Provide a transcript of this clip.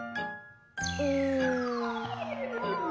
うん。